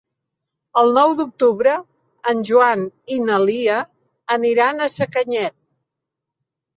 El nou d'octubre en Joan i na Lia aniran a Sacanyet.